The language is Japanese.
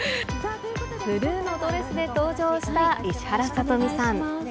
ブルーのドレスで登場した石原さとみさん。